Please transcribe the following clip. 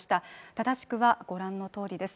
正しくはご覧のとおりです。